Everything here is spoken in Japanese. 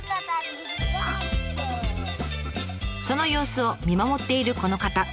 その様子を見守っているこの方。